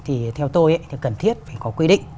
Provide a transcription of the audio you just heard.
thì theo tôi thì cần thiết phải có quy định